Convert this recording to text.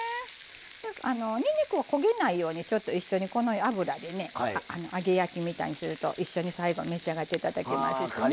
にんにくを焦げないようにちょっと一緒にこの油でね揚げ焼きみたいにすると一緒に最後召し上がって頂けますしね。